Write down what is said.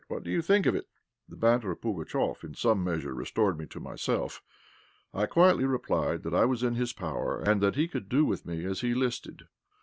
What do you think of it?" The banter of Pugatchéf in some measure restored me to myself. I quietly replied that I was in his power, and that he could do with me as he listed.